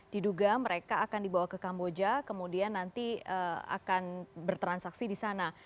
diduga mereka akan dibawa ke kamboja kemudian nanti akan bertransaksi di sana